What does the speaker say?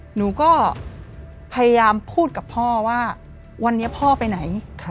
หนูก็พยายามพูดกับพ่อว่าวันนี้พ่อไปไหน